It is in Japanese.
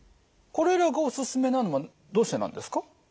これらがおすすめなのはどうしてなんですか？